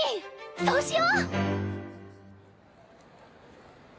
そうしよう！